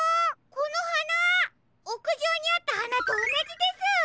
このはなおくじょうにあったはなとおなじです！